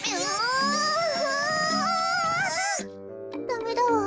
ダメだわ。